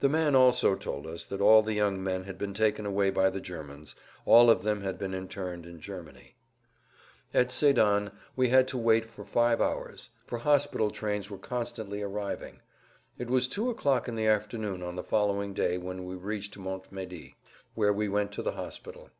The man also told us that all the young men had been taken away by the Germans; all of them had been interned in Germany. At Sédan we had to wait for five hours; for hospital trains were constantly arriving. It was 2 o'clock in the afternoon of the following day when we reached Montmédy, where we went to the hospital.